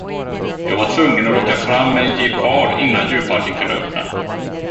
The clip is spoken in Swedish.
Jag var tvungen att locka fram en gepard innan djurparken kunde öppna.